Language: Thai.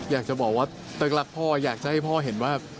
อยากจะบอกว่าเติ๊กรักพ่ออยากจะให้พ่อเห็นว่า